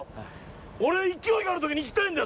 俺は勢いがあるときに行きたいんだよ。